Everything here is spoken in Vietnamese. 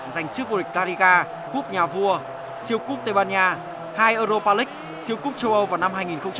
giành chức vô địch cariga cúp nhà vua siêu cúp tây ban nha hai europa league siêu cúp châu âu vào năm hai nghìn một mươi hai